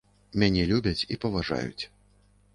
Мяне любяць і паважаюць.